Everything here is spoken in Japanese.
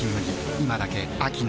今だけ秋の味